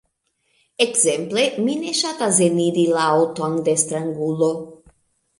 Ekzemple: mi ne ŝatas eniri la aŭton de strangulo.